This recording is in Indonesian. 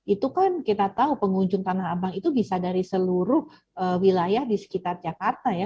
itu kan kita tahu pengunjung tanah abang itu bisa dari seluruh wilayah di sekitar jakarta ya